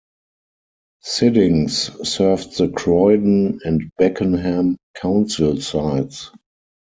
Sidings served the Croydon and Beckenham Council sites.